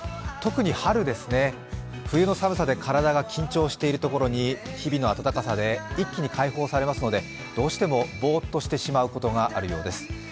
特に春、冬の寒さで体が緊張しているところに日々の暖かさで一気に解放されますのでどうしてもぼーっとしてしまうことがあるそうです。